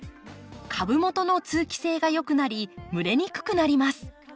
株元の通気性が良くなり蒸れにくくなります。